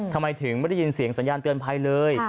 ทำไมถึงไม่ได้ยินเสียงสัญญาณเตือนภัยเลย